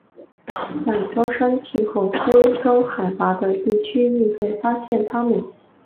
在高山气候非高海拔的地区亦会发现它们。